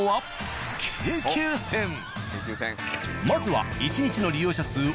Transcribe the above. まずは１日の利用者数